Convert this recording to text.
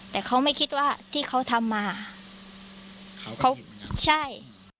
แต่เขาไม่คิดว่าที่เขาทำมาเขาใช่